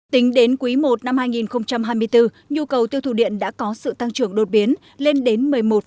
tính đến quý i năm hai nghìn hai mươi bốn nhu cầu tiêu thụ điện đã có sự tăng trưởng đột biến lên đến một mươi một năm